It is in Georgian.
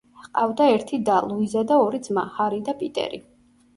ჰყავდა ერთი და, ლუიზა და ორი ძმა, ჰარი და პიტერი.